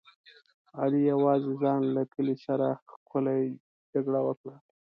علي یوازې ځان له کلي سره ښکلې جګړه وکړه.